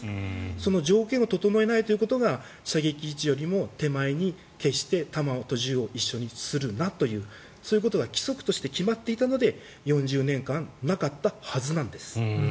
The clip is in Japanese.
その条件を整えないということが射撃位置よりも手前に決して弾と銃を一緒にするなというそういうことが規則として決まっていたので４０年間なかったはずなんです。